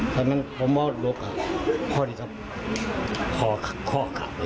เพราะฉะนั้นผมว่าลุกอ่ะพ่อดีครับพ่อค่ะพ่อค่ะ